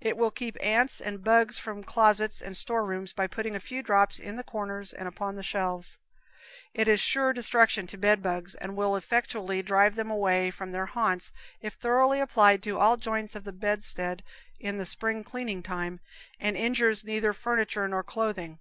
It will keep ants and bugs from closets and store rooms by putting a few drops in the corners and upon the shelves; it is sure destruction to bedbugs, and will effectually drive them away from their haunts if thoroughly applied to all the joints of the bedstead in the spring cleaning time, and injures neither furniture nor clothing.